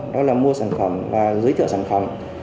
đó là mua sản phẩm và giới thiệu sản phẩm